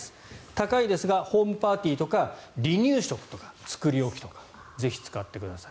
高いですがホームパーティーとか離乳食とか作り置きとかぜひ使ってください。